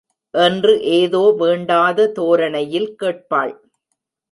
என்று ஏதோ வேண்டாத தோரணையில் கேட்பாள்.